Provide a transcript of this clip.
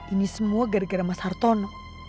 ini semua gara gara mas hartono